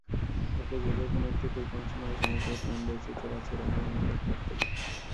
এককভাবে কোনো একটি ক্ষুদ্র অংশ নয়, সমগ্র প্রাণবৈচিত্র্য বাঁচিয়ে রাখাই আমাদের কর্তব্য।